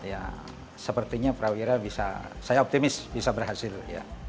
ya sepertinya prawira bisa saya optimis bisa berhasil ya